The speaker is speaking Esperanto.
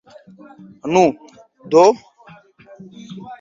Nu, do?